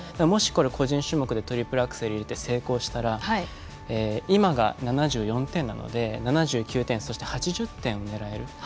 もし個人種目でトリプルアクセルを入れて成功したら今が７４点なので７９点そして、８０点を狙える。